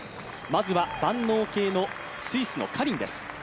まずは万能系のスイスのカリンです。